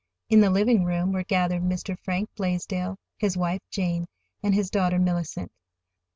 In the living room were gathered Mr. Frank Blaisdell, his wife, Jane, and their daughter, Mellicent.